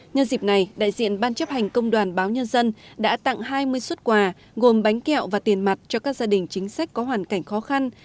nhân dịp này đại diện ban chấp hành công đoàn báo nhân dân đã tặng hai mươi xuất quà gồm bánh kẹo và tiền mặt cho các gia đình chính sách có hoàn cảnh khó khăn